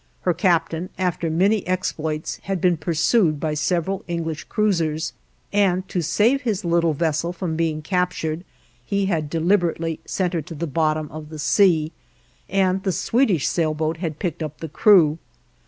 Her captain after many exploits had been pursued by several English cruisers, and to save his little vessel from being captured he had deliberately sent her to the bottom of the sea, and the Swedish sailboat had picked up the crew.